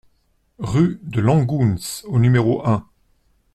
Rue de Langgöns au numéro un